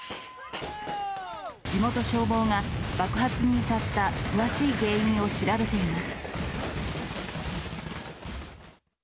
地元消防が、爆発に至った詳しい原因を調べています。